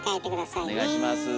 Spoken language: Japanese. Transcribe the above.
お願いします。